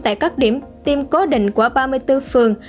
tại các điểm tiêm cố định của ba mươi bốn phường